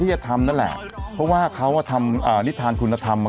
รถติดมากคุณแม่